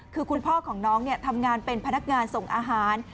คือคุณพ่อของน้องทำงานเป็นพนักงานส่งอาหาร